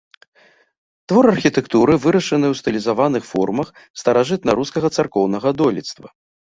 Твор архітэктуры, вырашаны ў стылізаваных формах старажытнарускага царкоўнага дойлідства.